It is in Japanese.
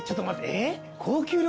えっ？